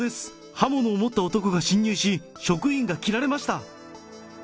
刃物を持った男が侵入し、職員が切られました。